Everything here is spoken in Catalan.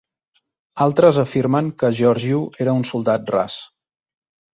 Altres afirmen que Georgiou era un soldat ras.